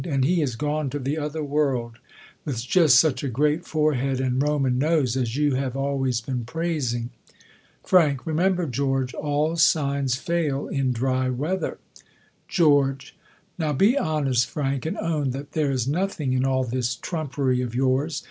And he is gone to the other world, with just such a great forehead and Roman nose, as you have always een praising. Fr, Remember, George, ail. signs fail in dry weather, €r«wr. Now, be hone^, Frank, and own that there is dO THE COLUMBIAN ORATOR. I is nothing in all this trumpery of yours.